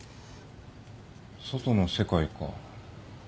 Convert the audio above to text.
外の世界か。